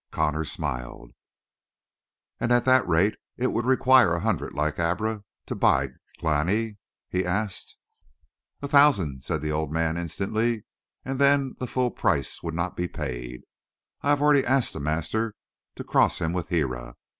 Connor smiled. "And at that rate it would require a hundred like Abra to buy Glani?" he asked. "A thousand," said the old man instantly, "and then the full price would not be paid. I have already asked the master to cross him with Hira.